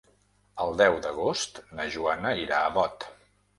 El deu d'agost na Joana irà a Bot.